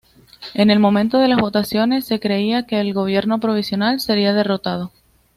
En el momento de las votaciones, se creía que el Gobierno provisional sería derrotado.